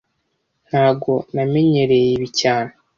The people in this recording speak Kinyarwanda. Ntago namenyereye ibi cyane